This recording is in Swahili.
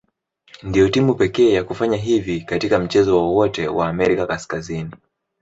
Ndio timu pekee ya kufanya hivi katika mchezo wowote wa Amerika Kaskazini.